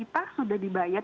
iya thr kita sudah dibayar